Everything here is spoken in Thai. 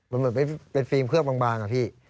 มันเหมือนเป็นฟิล์มเคลือบบางอะพี่